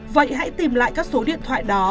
vậy hãy tìm lại các số điện thoại đó